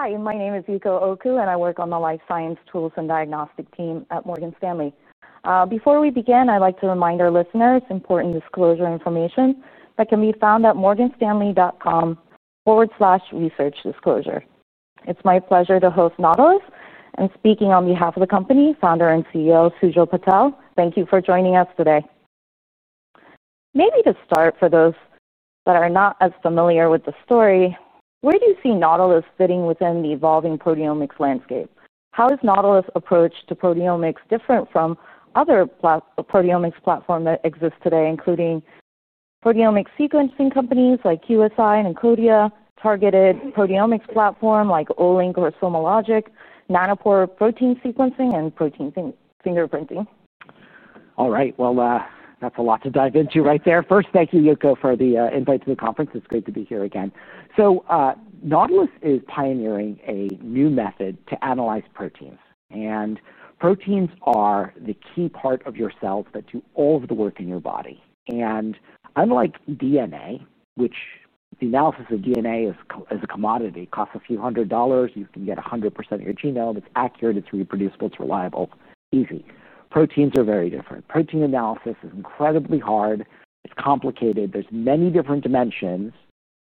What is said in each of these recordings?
Hello. Hi. My name is Yuko Oku, and I work on the life science tools and diagnostic team at Morgan Stanley. Before we begin, I'd like to remind our listeners of important disclosure information that can be found at morganstanley.com/researchdisclosure. It's my pleasure to host Nautilus and speak on behalf of the company, Founder and CEO Sujal Patel. Thank you for joining us today. Maybe to start, for those that are not as familiar with the story, where do you see Nautilus fitting within the evolving proteomics landscape? How is Nautilus' approach to proteomics different from other proteomics platforms that exist today, including proteomics sequencing companies like QSI and Encodia, targeted proteomics platforms like Olink or SomaLogic, nanopore protein sequencing, and protein fingerprinting? All right. That's a lot to dive into right there. First, thank you, Yuko, for the invite to the conference. It's great to be here again. Nautilus is pioneering a new method to analyze proteins. Proteins are the key part of your cells that do all of the work in your body. Unlike DNA, which the analysis of DNA is a commodity, costs a few hundred dollars, you can get 100% of your genome. It's accurate, it's reproducible, it's reliable, easy. Proteins are very different. Protein analysis is incredibly hard. It's complicated, there's many different dimensions.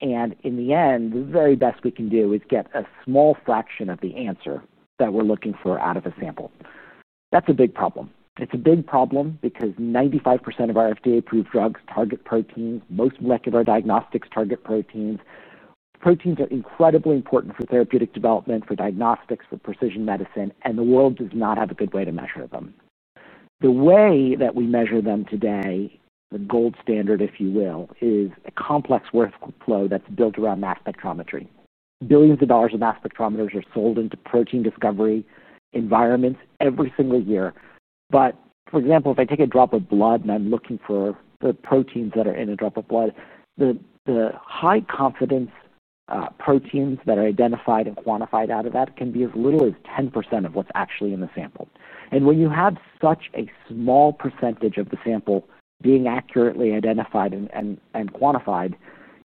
In the end, the very best we can do is get a small fraction of the answer that we're looking for out of a sample. That's a big problem because 95% of our FDA-approved drugs target proteins. Most molecular diagnostics target proteins. Proteins are incredibly important for therapeutic development, for diagnostics, for precision medicine. The world does not have a good way to measure them. The way that we measure them today, the gold standard, if you will, is a complex workflow that's built around mass spectrometry. Billions of dollars of mass spectrometers are sold into protein discovery environments every single year. For example, if I take a drop of blood and I'm looking for the proteins that are in a drop of blood, the high-confidence proteins that are identified and quantified out of that can be as little as 10% of what's actually in the sample. When you have such a small percentage of the sample being accurately identified and quantified,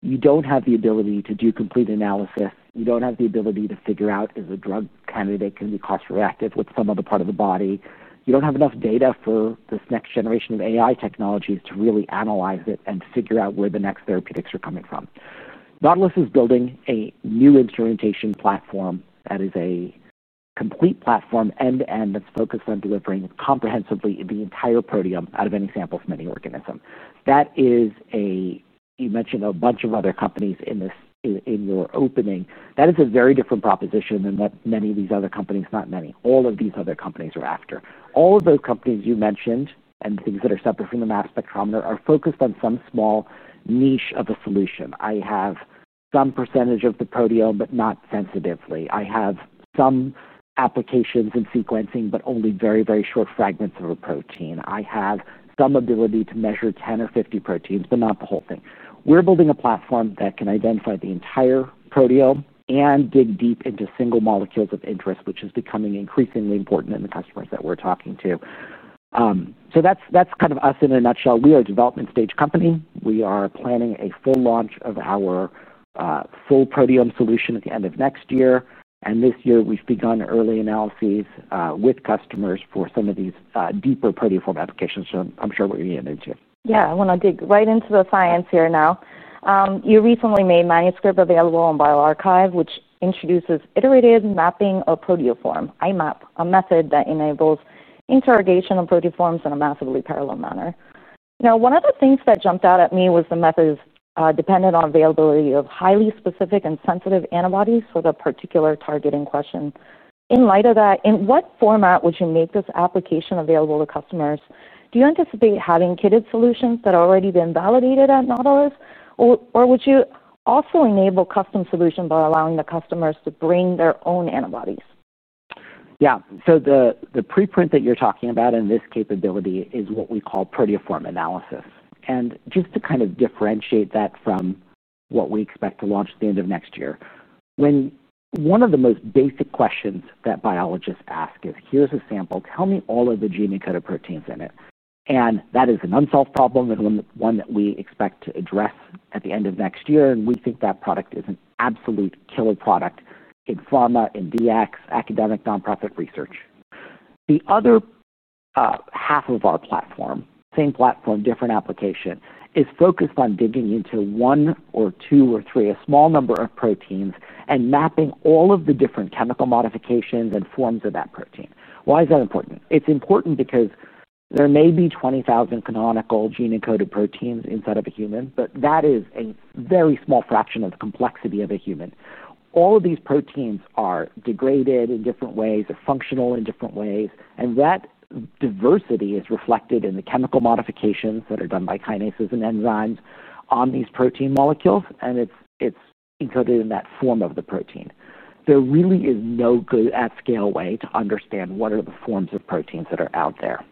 you don't have the ability to do complete analysis. You don't have the ability to figure out if a drug candidate can be cross-reactive with some other part of the body. You don't have enough data for this next generation of AI technologies to really analyze it and figure out where the next therapeutics are coming from. Nautilus is building a new instrumentation platform that is a complete platform end-to-end that's focused on delivering comprehensively the entire proteomes out of any sample from any organism. You mentioned a bunch of other companies in your opening. That is a very different proposition than many of these other companies. Not many, all of these other companies are after. All of those companies you mentioned and things that are separate from the mass spectrometer are focused on some small niche of a solution. I have some percentage of the proteome, but not sensitively. I have some applications in sequencing, but only very, very short fragments of a protein. I have some ability to measure 10 or 50 proteins, but not the whole thing. We're building a platform that can identify the entire proteome and dig deep into single molecules of interest, which is becoming increasingly important in the customers that we're talking to. That's kind of us in a nutshell. We are a development-stage company. We are planning a full launch of our full proteome solution at the end of next year. This year, we've begun early analyses with customers for some of these deeper proteoform applications I'm sure we're going to get into. Yeah. I want to dig right into the science here now. You recently made a manuscript available on bioRxiv, which introduces iterative mapping of proteoform, IMaP, a method that enables interrogation of proteoforms in a massively parallel manner. Now, one of the things that jumped out at me was the method dependent on the availability of highly specific and sensitive antibodies for the particular target in question. In light of that, in what format would you make this application available to customers? Do you anticipate having kitted solutions that have already been validated at Nautilus? Or would you also enable custom solutions by allowing the customers to bring their own antibodies? Yeah. The preprint that you're talking about in this capability is what we call proteoform analysis. Just to kind of differentiate that from what we expect to launch at the end of next year, one of the most basic questions that biologists ask is, here's a sample. Tell me all of the gene encoded proteins in it. That is an unsolved problem and one that we expect to address at the end of next year. We think that product is an absolute killer product in pharma, in Dx, academic nonprofit research. The other half of our platform, same platform, different application, is focused on digging into one or two or three, a small number of proteins, and mapping all of the different chemical modifications and forms of that protein. Why is that important? It's important because there may be 20,000 canonical gene encoded proteins inside of a human, but that is a very small fraction of the complexity of a human. All of these proteins are degraded in different ways. They're functional in different ways. That diversity is reflected in the chemical modifications that are done by kinases and enzymes on these protein molecules. It's encoded in that form of the protein. There really is no good at-scale way to understand what are the forms of proteins that are out there.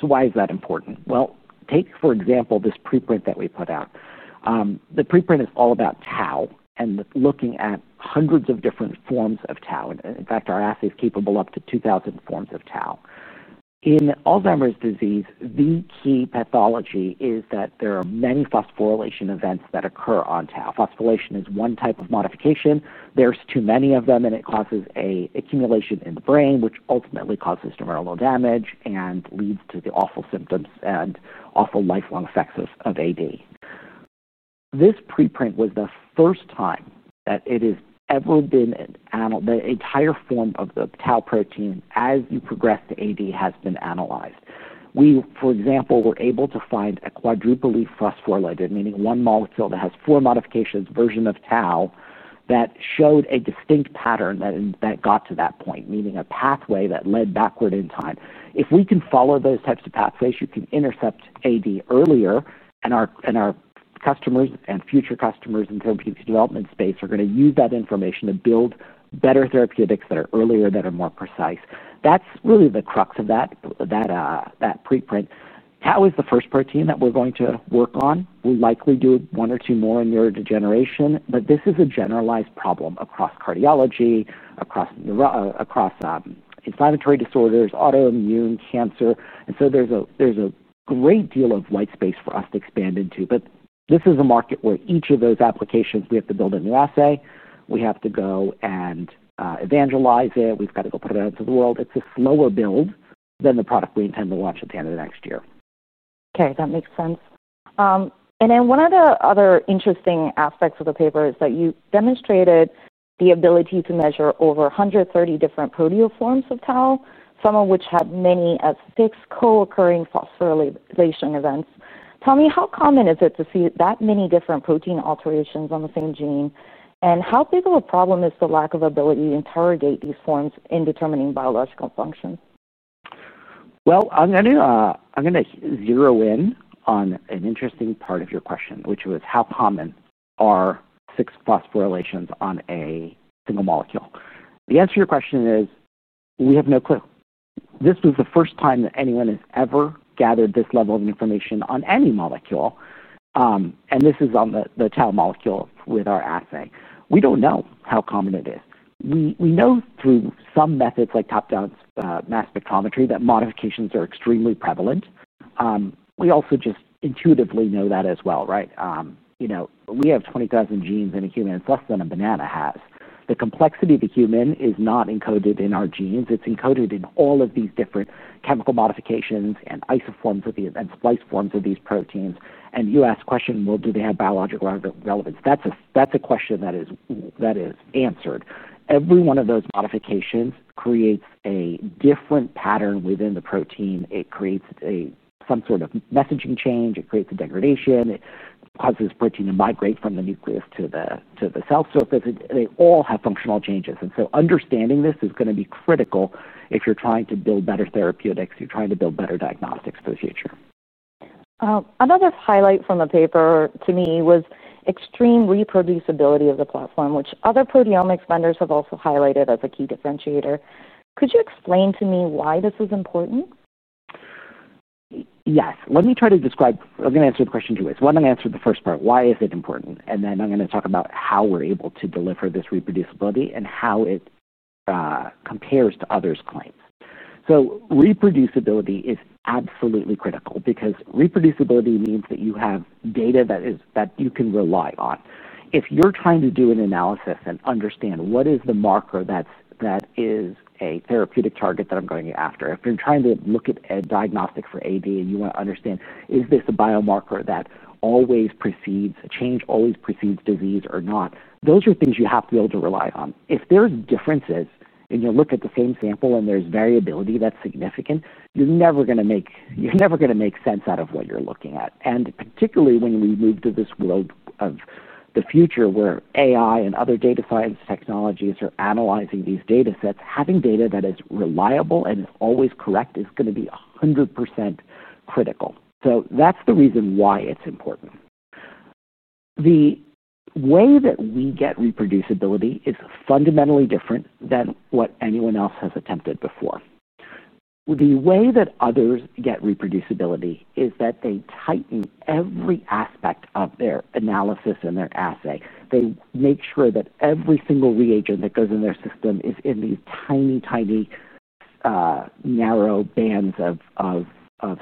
Why is that important? For example, take this preprint that we put out. The preprint is all about tau, and looking at hundreds of different forms of tau. In fact, our assay is capable of up to 2,000 forms of tau. In Alzheimer's disease, the key pathology is that there are many phosphorylation events that occur on tau. Phosphorylation is one type of modification. There's too many of them, and it causes an accumulation in the brain, which ultimately causes neuronal damage and leads to the awful symptoms and awful lifelong effects of AD. This preprint was the first time that it has ever been in an animal. The entire form of the tau protein, as you progress to AD, has been analyzed. We, for example, were able to find a quadruple phosphorylated, meaning one molecule that has four modifications, version of tau, that showed a distinct pattern that got to that point, meaning a pathway that led backward in time. If we can follow those types of pathways, you can intercept AD earlier. Our customers and future customers in the therapeutic development space are going to use that information to build better therapeutics that are earlier, that are more precise. That's really the crux of that preprint. Tau is the first protein that we're going to work on. We'll likely do one or two more in neurodegeneration. This is a generalized problem across cardiology, across inflammatory disorders, autoimmune, cancer. There is a great deal of white space for us to expand into. This is a market where each of those applications, we have to build a new assay. We have to go and evangelize it. We've got to go put it out into the world. It's a slower build than the product we intend to launch at the end of next year. OK. That makes sense. One of the other interesting aspects of the paper is that you demonstrated the ability to measure over 130 different proteoforms of tau, some of which had many as fixed co-occurring phosphorylation events. Tell me, how common is it to see that many different protein alterations on the same gene? How big of a problem is the lack of ability to interrogate these forms in determining biological function? I'm going to zero in on an interesting part of your question, which was how common are fixed phosphorylations on a single molecule. The answer to your question is we have no clue. This was the first time that anyone has ever gathered this level of information on any molecule. This is on the tau molecule with our assay. We don't know how common it is. We know through some methods like top-down mass spectrometry that modifications are extremely prevalent. We also just intuitively know that as well, right? You know, we have 20,000 genes in a human, plus than a banana has. The complexity of the human is not encoded in our genes. It's encoded in all of these different chemical modifications and isoforms of these and splice forms of these proteins. You asked the question, do they have biological relevance? That's a question that is answered. Every one of those modifications creates a different pattern within the protein. It creates some sort of messaging change. It creates a degradation. It causes protein to migrate from the nucleus to the cell surface. They all have functional changes. Understanding this is going to be critical if you're trying to build better therapeutics. You're trying to build better diagnostics for the future. Another highlight from the paper to me was extreme reproducibility of the platform, which other proteomics vendors have also highlighted as a key differentiator. Could you explain to me why this is important? Yes. Let me try to describe. I'm going to answer the question two ways. Why don't I answer the first part? Why is it important? Then I'm going to talk about how we're able to deliver this reproducibility and how it compares to others' claims. Reproducibility is absolutely critical because reproducibility means that you have data that you can rely on. If you're trying to do an analysis and understand what is the marker that is a therapeutic target that I'm going after, if you're trying to look at diagnostics for AD and you want to understand, is this a biomarker that always precedes a change, always precedes disease or not? Those are things you have to be able to rely on. If there's differences and you look at the same sample and there's variability that's significant, you're never going to make sense out of what you're looking at. Particularly when we move to this world of the future where AI and other data science technologies are analyzing these data sets, having data that is reliable and is always correct is going to be 100% critical. That's the reason why it's important. The way that we get reproducibility is fundamentally different than what anyone else has attempted before. The way that others get reproducibility is that they tighten every aspect of their analysis and their assay. They make sure that every single reagent that goes in their system is in these tiny, tiny, narrow bands of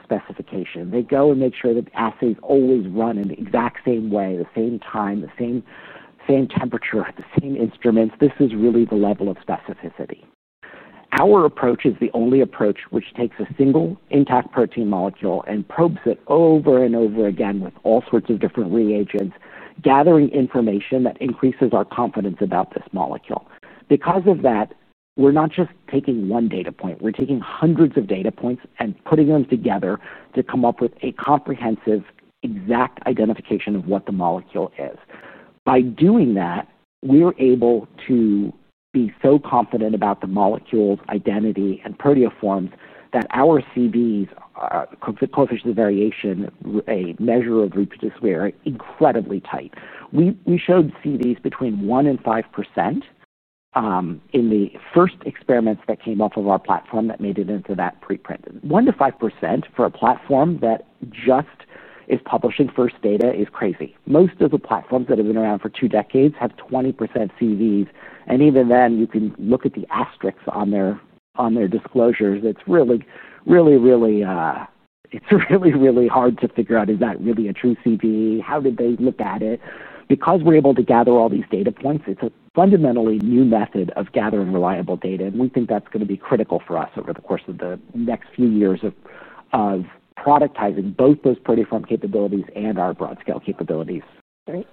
specification. They go and make sure that assays always run in the exact same way, the same time, the same temperature, the same instruments. This is really the level of specificity. Our approach is the only approach which takes a single intact protein molecule and probes it over and over again with all sorts of different reagents, gathering information that increases our confidence about this molecule. Because of that, we're not just taking one data point. We're taking hundreds of data points and putting them together to come up with a comprehensive, exact identification of what the molecule is. By doing that, we're able to be so confident about the molecule's identity and proteoforms that our CVs, coefficients of variation, a measure of reproducibility, are incredibly tight. We showed CVs between 1% and 5% in the first experiments that came off of our platform that made it into that preprint. 1%-5% for a platform that just is publishing first data is crazy. Most of the platforms that have been around for two decades have 20% CVs. You can look at the asterisks on their disclosures. It's really, really, really hard to figure out, is that really a true CV? How did they look at it? Because we're able to gather all these data points, it's a fundamentally new method of gathering reliable data. We think that's going to be critical for us over the course of the next few years of productizing both those proteoform capabilities and our broad-scale capabilities. Great.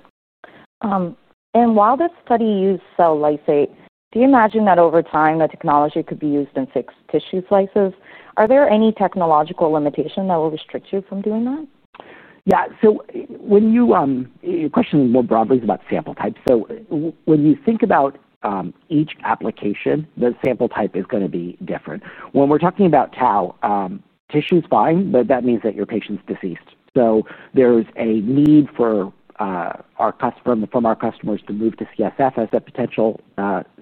While that study used cell lysate, do you imagine that over time the technology could be used in tissue slices? Are there any technological limitations that will restrict you from doing that? Yeah. Your question more broadly is about sample types. When you think about each application, the sample type is going to be different. When we're talking about tau, tissue is fine, but that means that your patient's deceased. There's a need for our customers to move to CSF as a potential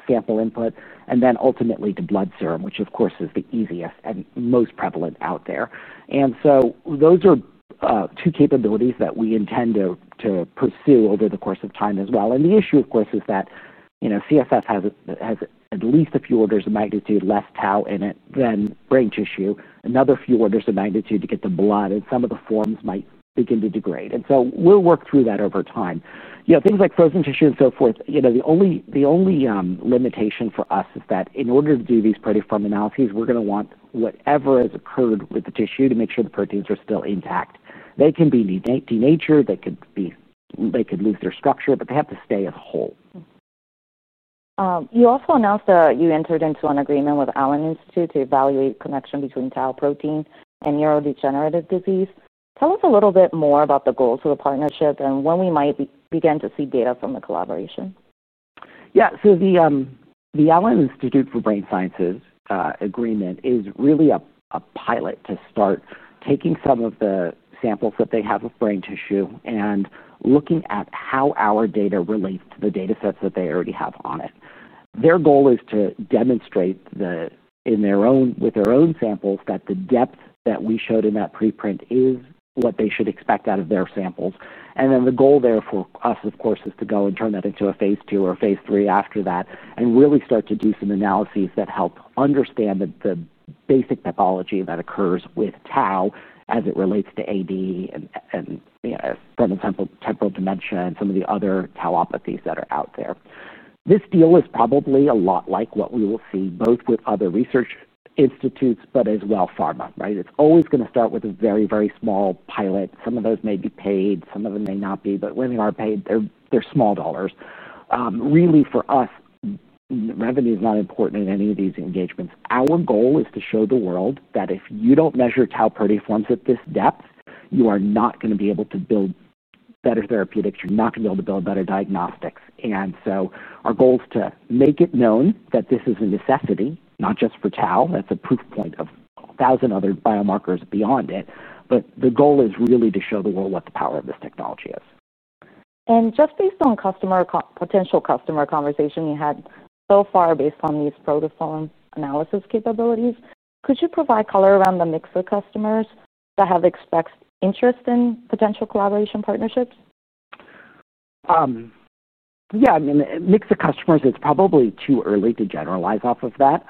sample input, and ultimately to blood serum, which, of course, is the easiest and most prevalent out there. Those are two capabilities that we intend to pursue over the course of time as well. The issue, of course, is that CSF has at least a few orders of magnitude less tau in it than brain tissue, another few orders of magnitude to get to blood. Some of the forms might begin to degrade. We'll work through that over time. Things like frozen tissue and so forth, the only limitation for us is that in order to do these proteoform analyses, we're going to want whatever has occurred with the tissue to make sure the proteins are still intact. They can be denatured. They could lose their structure, but they have to stay as whole. You also announced that you entered into an agreement with Allen Institute to evaluate the connection between tau protein and neurodegenerative disease. Tell us a little bit more about the goals of the partnership and when we might begin to see data from the collaboration. Yeah. The Allen Institute for Brain Science agreement is really a pilot to start taking some of the samples that they have of brain tissue and looking at how our data relates to the data sets that they already have on it. Their goal is to demonstrate with their own samples that the depth that we showed in that preprint is what they should expect out of their samples. The goal there for us, of course, is to go and turn that into a phase two or phase three after that and really start to do some analyses that help understand the basic pathology that occurs with tau as it relates to AD and frontotemporal dementia and some of the other tauopathies that are out there. This deal is probably a lot like what we will see both with other research institutes, as well as pharma, right? It's always going to start with a very, very small pilot. Some of those may be paid. Some of them may not be. When they are paid, they're small dollars. Really, for us, revenue is not important in any of these engagements. Our goal is to show the world that if you don't measure tau proteoforms at this depth, you are not going to be able to build better therapeutics. You're not going to be able to build better diagnostics. Our goal is to make it known that this is a necessity, not just for tau. That's a proof point of 1,000 other biomarkers beyond it. The goal is really to show the world what the power of this technology is. Based on customer and potential customer conversation you had so far, based on these proteoform analysis capabilities, could you provide color around the mix of customers that have expressed interest in potential collaboration partnerships? Yeah. I mean, mix of customers, it's probably too early to generalize off of that.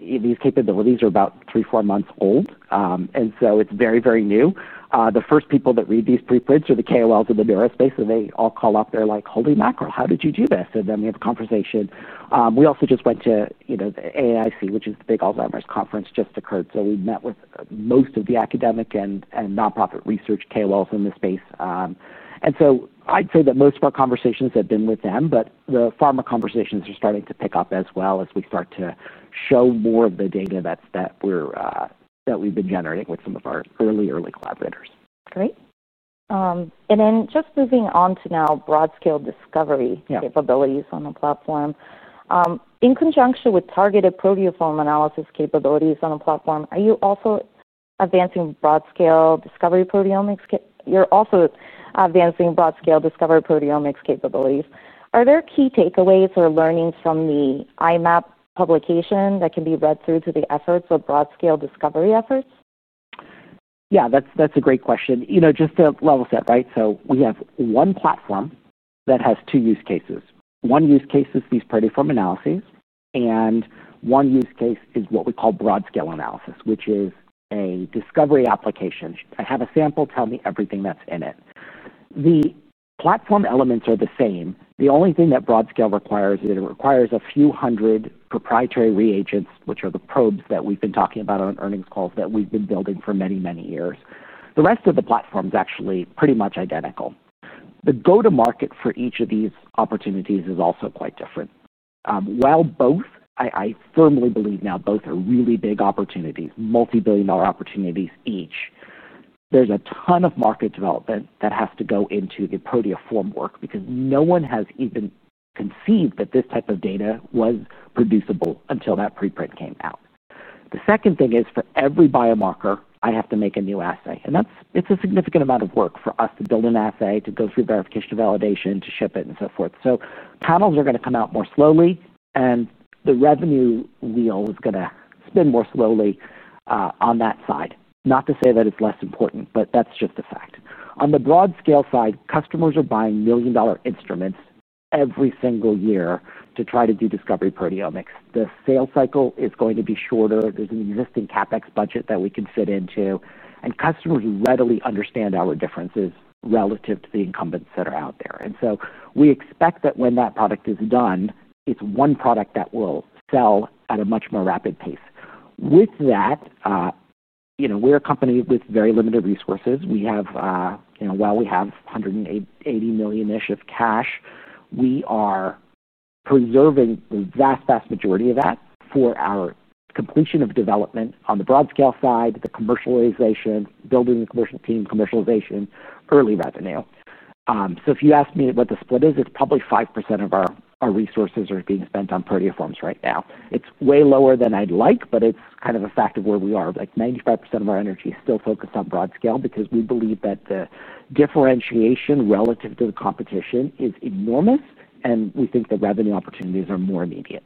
These capabilities are about three, four months old, and so it's very, very new. The first people that read these preprints are the KOLs in the bureau space. They all call up, they're like, "Holy mackerel. How did you do this?" and then we have a conversation. We also just went to AAIC, which is the big Alzheimer's conference, just occurred. We met with most of the academic and nonprofit research KOLs in the space. I'd say that most of our conversations have been with them, but the pharma conversations are starting to pick up as well as we start to show more of the data that we've been generating with some of our early, early collaborators. Great. Moving on to broad-scale discovery capabilities on the platform. In conjunction with targeted proteoform analysis capabilities on the platform, are you also advancing broad-scale discovery proteomics? You're also advancing broad-scale discovery proteomics capabilities. Are there key takeaways or learnings from the IMaP publication that can be read through to the efforts of broad-scale discovery efforts? Yeah. That's a great question. You know, just to level set, right? We have one platform that has two use cases. One use case is these proteoform analyses, and one use case is what we call broad-scale analysis, which is a discovery application. I have a sample. Tell me everything that's in it. The platform elements are the same. The only thing that broad-scale requires is it requires a few hundred proprietary reagents, which are the probes that we've been talking about on earnings calls that we've been building for many, many years. The rest of the platform is actually pretty much identical. The go-to-market for each of these opportunities is also quite different. While both, I firmly believe now both are really big opportunities, multibillion-dollar opportunities each. There's a ton of market development that has to go into the proteoform work because no one has even conceived that this type of data was producible until that preprint came out. The second thing is for every biomarker, I have to make a new assay, and it's a significant amount of work for us to build an assay, to go through verification and validation, to ship it, and so forth. Panels are going to come out more slowly, and the revenue wheel is going to spin more slowly on that side. Not to say that it's less important, but that's just a fact. On the broad-scale side, customers are buying million-dollar instruments every single year to try to do discovery proteomics. The sales cycle is going to be shorter. There's an existing CapEx budget that we can fit into, and customers readily understand our differences relative to the incumbents that are out there. We expect that when that product is done, it's one product that will sell at a much more rapid pace. With that, we're a company with very limited resources. While we have $180 million-ish of cash, we are preserving the vast, vast majority of that for our completion of development on the broad-scale side, the commercialization, building the commercial team, commercialization, early revenue. If you ask me what the split is, it's probably 5% of our resources are being spent on proteoforms right now. It's way lower than I'd like, but it's kind of a fact of where we are. Like 95% of our energy is still focused on broad scale because we believe that the differentiation relative to the competition is enormous, and we think the revenue opportunities are more immediate.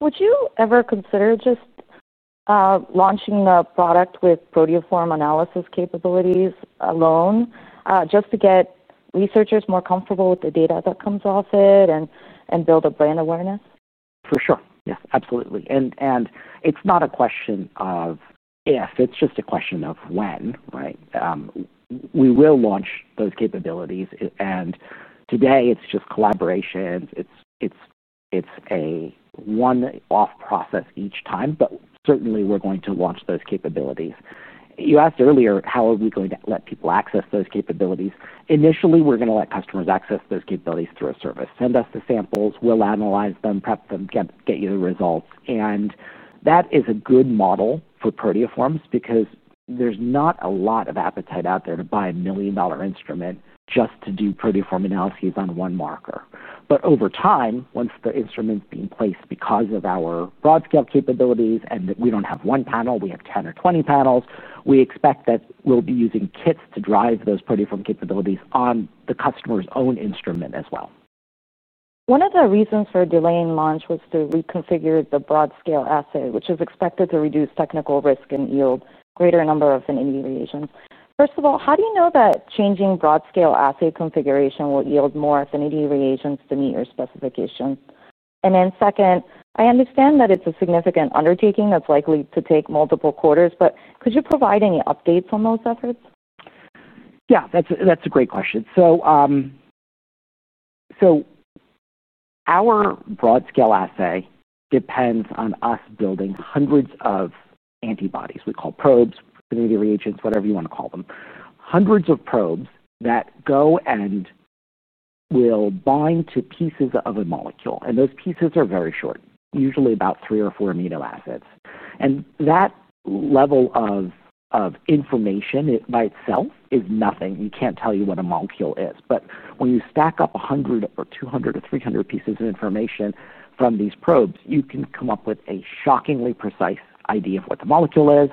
Would you ever consider just launching a product with proteoform analysis capabilities alone just to get researchers more comfortable with the data that comes off it and build a brand awareness? For sure. Yes, absolutely. It's not a question of if, it's just a question of when, right? We will launch those capabilities. Today, it's just collaborations. It's a one-off process each time. Certainly, we're going to launch those capabilities. You asked earlier, how are we going to let people access those capabilities? Initially, we're going to let customers access those capabilities through a service. Send us the samples, we'll analyze them, prep them, get you the results. That is a good model for proteoforms because there's not a lot of appetite out there to buy a $1 million instrument just to do proteoform analyses on one marker. Over time, once the instrument is being placed because of our broad-scale capabilities and that we don't have one panel, we have 10 or 20 panels, we expect that we'll be using kits to drive those proteoform capabilities on the customer's own instrument as well. One of the reasons for delaying launch was to reconfigure the broad-scale assay, which is expected to reduce technical risk and yield greater number of affinity variations. First of all, how do you know that changing broad-scale assay configuration will yield more affinity variations to meet your specification? I understand that it's a significant undertaking that's likely to take multiple quarters. Could you provide any updates on those efforts? Yeah. That's a great question. Our broad-scale assay depends on us building hundreds of antibodies we call probes, affinity variations, whatever you want to call them, hundreds of probes that go and will bind to pieces of a molecule. Those pieces are very short, usually about three or four amino acids. That level of information by itself is nothing. You can't tell you what a molecule is. When you stack up 100 or 200 or 300 pieces of information from these probes, you can come up with a shockingly precise idea of what the molecule is.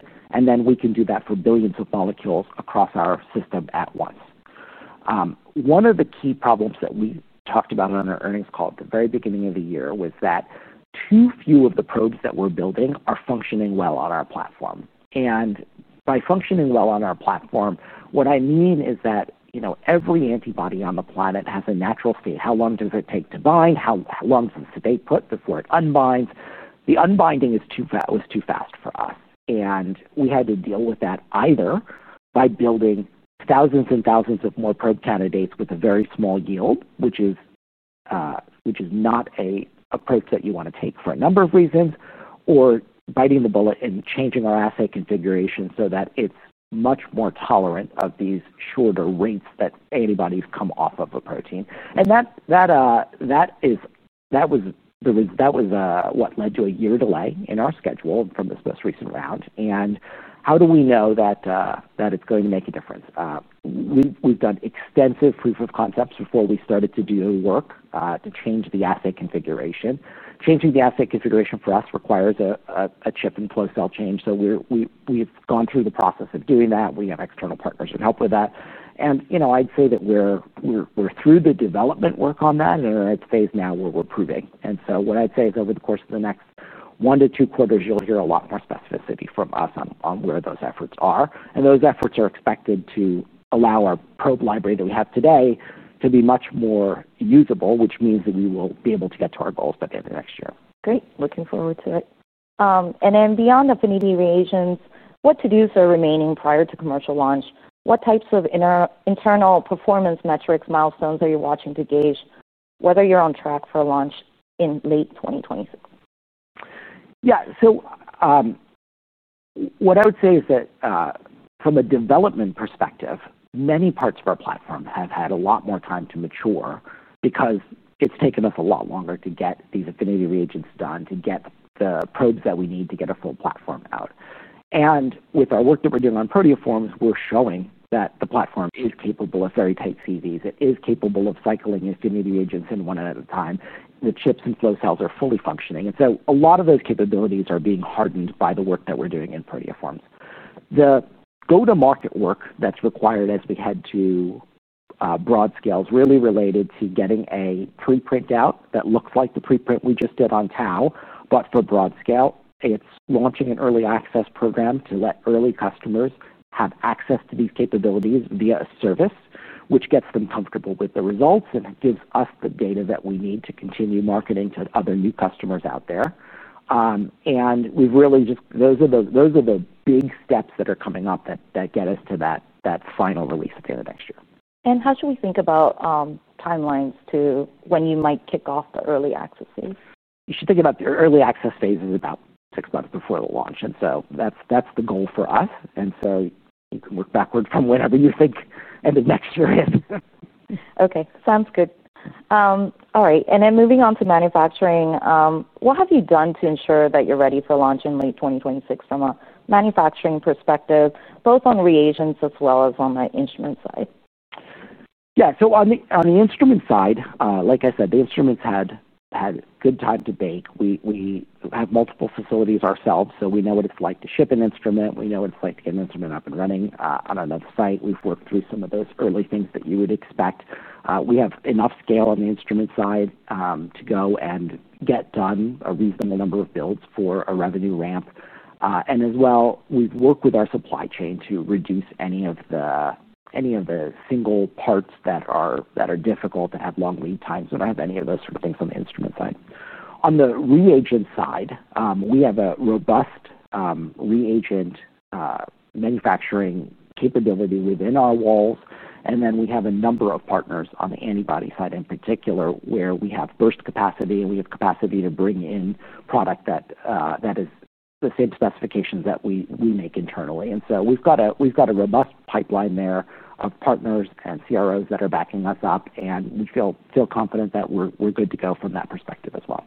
We can do that for billions of molecules across our system at once. One of the key problems that we talked about on our earnings call at the very beginning of the year was that too few of the probes that we're building are functioning well on our platform. By functioning well on our platform, what I mean is that every antibody on the planet has a natural state. How long does it take to bind? How long does it stay put before it unbinds? The unbinding was too fast for us. We had to deal with that either by building thousands and thousands of more probe candidates with a very small yield, which is not an approach that you want to take for a number of reasons, or biting the bullet and changing our assay configuration so that it's much more tolerant of these shorter rates that antibodies come off of a protein. That was what led to a year delay in our schedule from this most recent round. How do we know that it's going to make a difference? We've done extensive proof of concepts before we started to do work to change the assay configuration. Changing the assay configuration for us requires a chip and flow cell change. We've gone through the process of doing that. We have external partners that help with that. I'd say that we're through the development work on that. We're at a phase now where we're proving. Over the course of the next one to two quarters, you'll hear a lot more specificity from us on where those efforts are. Those efforts are expected to allow our probe library that we have today to be much more usable, which means that we will be able to get to our goals by the end of next year. Great. Looking forward to it. Beyond affinity variations, what to-dos are remaining prior to commercial launch? What types of internal performance metrics milestones are you watching to gauge whether you're on track for launch in late 2026? Yeah. What I would say is that from a development perspective, many parts of our platform have had a lot more time to mature because it's taken us a lot longer to get these affinity reagents done, to get the probes that we need to get a full platform out. With our work that we're doing on proteoforms, we're showing that the platform is capable of very tight CVs. It is capable of cycling affinity reagents in one at a time. The chips and flow cells are fully functioning, and a lot of those capabilities are being hardened by the work that we're doing in proteoforms. The go-to-market work that's required as we head to broad scale is really related to getting a preprint out that looks like the preprint we just did on tau. For broad scale, it's launching an early access program to let early customers have access to these capabilities via a service, which gets them comfortable with the results and gives us the data that we need to continue marketing to other new customers out there. Those are the big steps that are coming up that get us to that final release at the end of next year. How should we think about timelines to when you might kick off the early access phase? You should think about the early access phase as about six months before the launch. That's the goal for us. You can work backward from whenever you think end of next year is. OK. Sounds good. All right. Moving on to manufacturing, what have you done to ensure that you're ready for launch in late 2026 from a manufacturing perspective, both on reagents as well as on the instrument side? Yeah. On the instrument side, like I said, the instruments had a good time to bake. We have multiple facilities ourselves. We know what it's like to ship an instrument. We know what it's like to get an instrument up and running on another site. We've worked through some of those early things that you would expect. We have enough scale on the instrument side to go and get done a reasonable number of builds for a revenue ramp. We've worked with our supply chain to reduce any of the single parts that are difficult, that have long lead times, that don't have any of those sort of things on the instrument side. On the reagent side, we have a robust reagent manufacturing capability within our walls. We have a number of partners on the antibody side in particular where we have burst capacity and we have capacity to bring in product that is the same specifications that we make internally. We've got a robust pipeline there of partners and CROs that are backing us up. We feel confident that we're good to go from that perspective as well.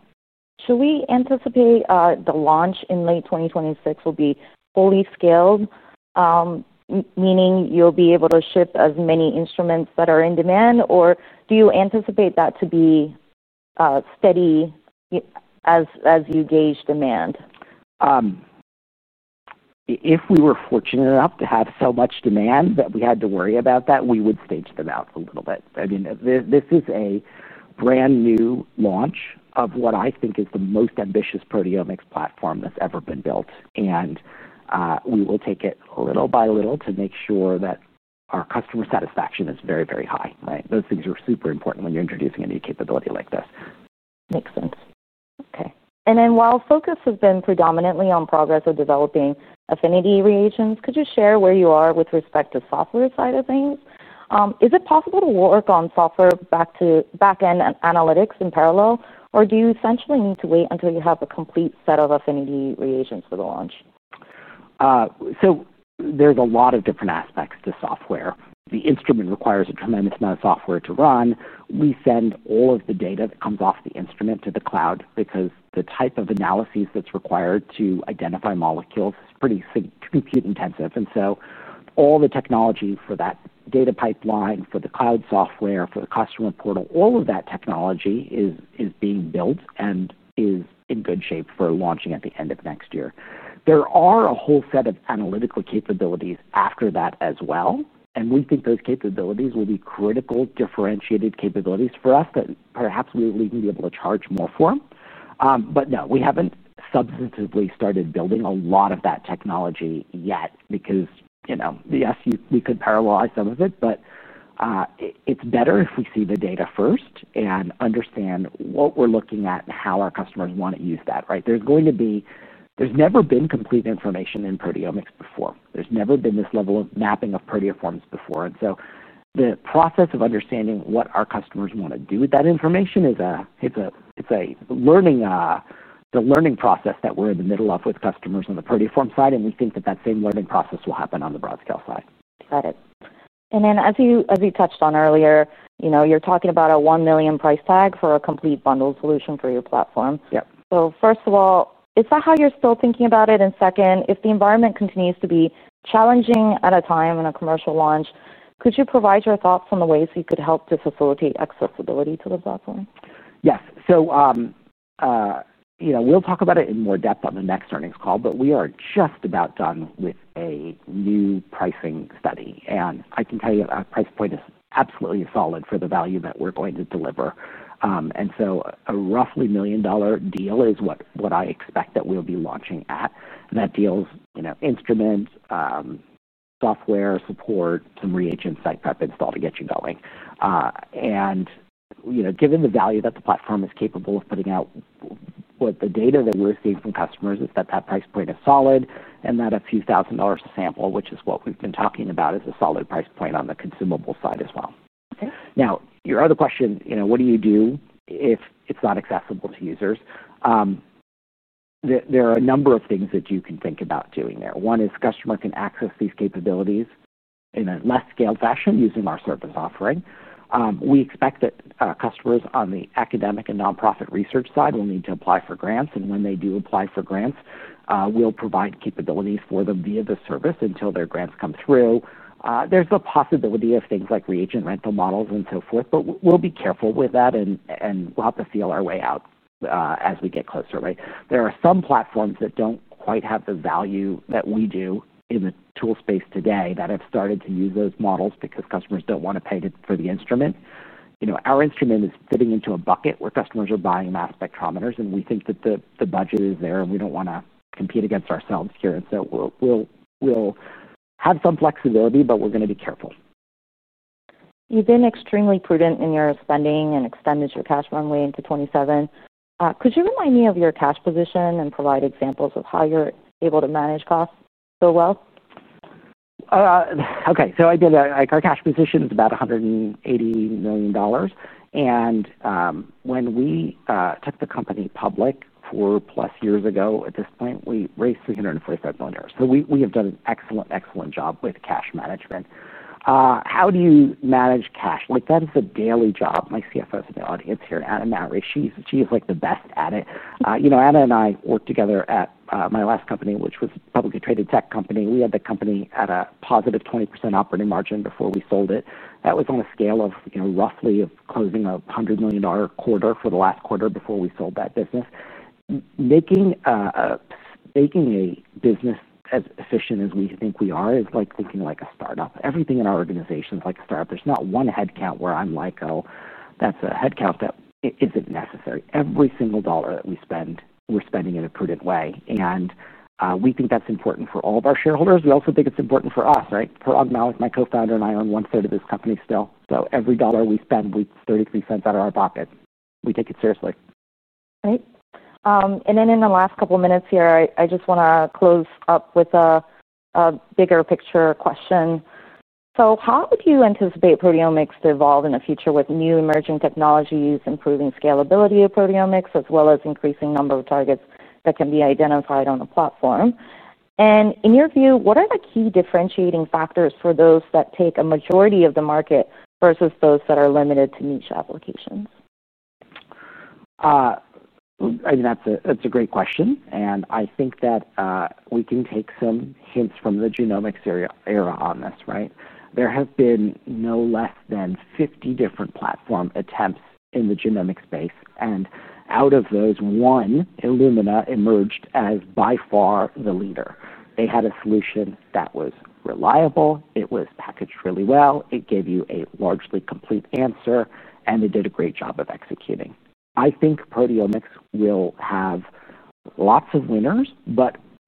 Should we anticipate the launch in late 2026 will be fully scaled, meaning you'll be able to ship as many instruments that are in demand? Or do you anticipate that to be steady as you gauge demand? If we were fortunate enough to have so much demand that we had to worry about that, we would stage them out a little bit. I mean, this is a brand new launch of what I think is the most ambitious proteomics platform that's ever been built. We will take it little by little to make sure that our customer satisfaction is very, very high, right? Those things are super important when you're introducing a new capability like this. Makes sense. OK. While focus has been predominantly on progress of developing affinity reagents, could you share where you are with respect to the software side of things? Is it possible to work on software back end and analytics in parallel? Do you essentially need to wait until you have a complete set of affinity reagents for the launch? There are a lot of different aspects to software. The instrument requires a tremendous amount of software to run. We send all of the data that comes off the instrument to the cloud because the type of analyses that's required to identify molecules is pretty compute intensive. All the technology for that data pipeline, for the cloud software, for the customer portal, all of that technology is being built and is in good shape for launching at the end of next year. There are a whole set of analytical capabilities after that as well. We think those capabilities will be critical differentiated capabilities for us that perhaps we'll even be able to charge more for. No, we haven't substantively started building a lot of that technology yet because, yes, we could parallelize some of it. It is better if we see the data first and understand what we're looking at and how our customers want to use that, right? There has never been complete information in proteomics before. There has never been this level of mapping of proteoforms before. The process of understanding what our customers want to do with that information is a learning process that we're in the middle of with customers on the proteoform side. We think that same learning process will happen on the broad-scale side. Got it. As you touched on earlier, you're talking about a $1 million price tag for a complete bundled solution for your platform. Yep. Is that how you're still thinking about it? If the environment continues to be challenging at a time in a commercial launch, could you provide your thoughts on the ways you could help to facilitate accessibility to the platform? Yes. We will talk about it in more depth on the next earnings call. We are just about done with a new pricing study, and I can tell you our price point is absolutely solid for the value that we're going to deliver. A roughly $1 million deal is what I expect that we'll be launching at. That deal is instrument, software support, and reagent site prep install to get you going. Given the value that the platform is capable of putting out, what the data that we're seeing from customers is that that price point is solid and that a few thousand dollars a sample, which is what we've been talking about, is a solid price point on the consumable side as well. OK. Now, your other question, you know, what do you do if it's not accessible to users? There are a number of things that you can think about doing there. One is customers can access these capabilities in a less scaled fashion using our service offering. We expect that customers on the academic and nonprofit research side will need to apply for grants. When they do apply for grants, we'll provide capabilities for them via the service until their grants come through. There's the possibility of things like reagent rental models and so forth. We'll be careful with that. We'll have to feel our way out as we get closer, right? There are some platforms that don't quite have the value that we do in the tool space today that have started to use those models because customers don't want to pay for the instrument. Our instrument is fitting into a bucket where customers are buying mass spectrometers, and we think that the budget is there. We don't want to compete against ourselves here, so we'll have some flexibility, but we're going to be careful. You've been extremely prudent in your spending and extended your cash one way into 2027. Could you remind me of your cash position and provide examples of how you're able to manage costs so well? OK. Our cash position is about $180 million. When we took the company public 4+ years ago at this point, we raised $345 million. We have done an excellent, excellent job with cash management. How do you manage cash? That is a daily job. My CFO is in the audience here, Anna Mowry. She's like the best at it. Anna and I worked together at my last company, which was a publicly traded tech company. We had the company at a +20% operating margin before we sold it. That was on a scale of roughly closing a $100 million quarter for the last quarter before we sold that business. Making a business as efficient as we think we are is like thinking like a startup. Everything in our organization is like a startup. There's not one headcount where I'm like, oh, that's a headcount that isn't necessary. Every single dollar that we spend, we're spending in a prudent way. We think that's important for all of our shareholders. We also think it's important for us, right? Parag Mallick, my co-founder, and I own 1/3 of this company still. Every dollar we spend, we've $0.33 out of our pocket. We take it seriously. Great. In the last couple of minutes here, I just want to close up with a bigger picture question. How would you anticipate proteomics to evolve in the future with new emerging technologies, improving scalability of proteomics, as well as increasing the number of targets that can be identified on the platform? In your view, what are the key differentiating factors for those that take a majority of the market versus those that are limited to niche applications? That's a great question. I think that we can take some hints from the genomics era on this, right? There have been no less than 50 different platform attempts in the genomic space. Out of those, one, Illumina, emerged as by far the leader. They had a solution that was reliable, it was packaged really well, it gave you a largely complete answer, and they did a great job of executing. I think proteomics will have lots of winners.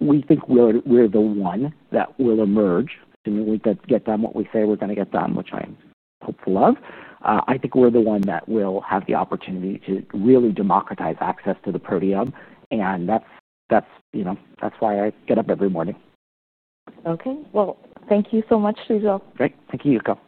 We think we're the one that will emerge, and we get done what we say we're going to get done, which I'm hopeful of. I think we're the one that will have the opportunity to really democratize access to the proteome, and that's why I get up every morning. OK. Thank you so much, Sujal. Great. Thank you, Yuko.